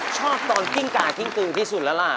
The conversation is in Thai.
ชอบตอนกิ้งกากิ้งกึงที่สุดแล้วล่ะ